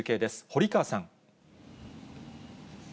堀川さん。